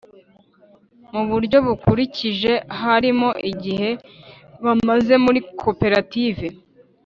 mu buryo bukurikije harimo igihe bamaze muri koperative